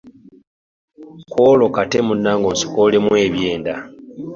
Ku olwo kata munnange ansokoolemu ebyenda.